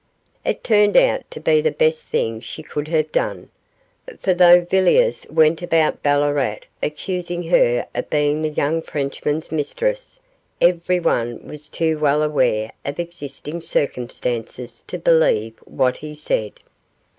It turned out to be the best thing she could have done, for though Villiers went about Ballarat accusing her of being the young Frenchman's mistress, everyone was too well aware of existing circumstances to believe what he said.